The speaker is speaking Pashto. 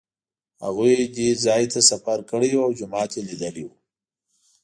هغوی دې ځای ته سفر کړی و او جومات یې لیدلی و.